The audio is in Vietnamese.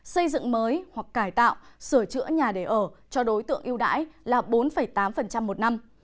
xây dựng mới hoặc cải tạo sửa chữa nhà để ở cho đối tượng yêu đãi là bốn tám một năm